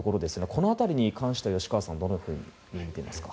この辺りに関しては吉川さんはどうみていますか？